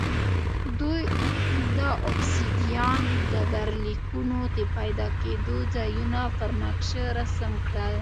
دوی د اوبسیدیان ډبرلیکونو د پیدا کېدو ځایونه پر نقشه رسم کړل